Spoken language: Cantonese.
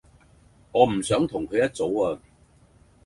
我唔想同佢一組呀